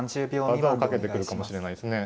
技をかけてくるかもしれないですね。